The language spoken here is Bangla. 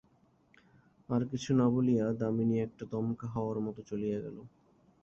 আর কিছু না বলিয়া দামিনী একটা দমকা হাওয়ার মতো চলিয়া গেল।